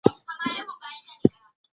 سړکونه د هېواد د رګونو په څېر دي.